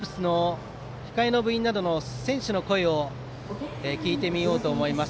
では、両アルプスの控えの部員などの選手の声を聞いてみようと思います。